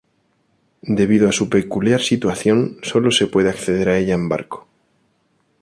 Debido a su peculiar situación, sólo se puede acceder a ella en barco.